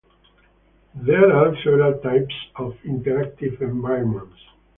There are several types of interactive environments.